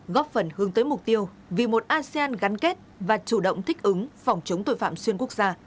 góp phần hướng tới mục tiêu vì một asean gắn kết và chủ động thích ứng phòng chống tội phạm xuyên quốc gia